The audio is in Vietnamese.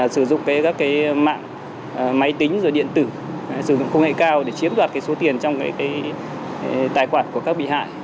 sử dụng các mạng máy tính rồi điện tử sử dụng công nghệ cao để chiếm đoạt số tiền trong tài khoản của các bị hại